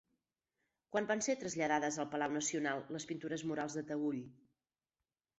Quan van ser traslladades al Palau Nacional les pintures murals de Taüll?